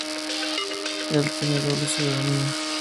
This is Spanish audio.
Él tiene doble ciudadanía.